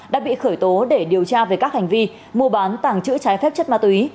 đã bị khởi tố để điều tra về các hành vi mua bán tàng trữ trái phép chất ma túy